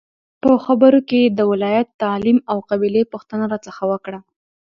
په خبرو کې یې د ولایت، تعلیم او قبیلې پوښتنه راڅخه وکړه.